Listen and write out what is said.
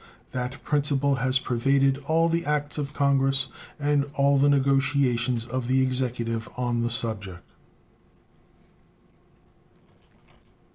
That principle has pervaded all the acts of Congress and all the negotiations of the Executive on the subject.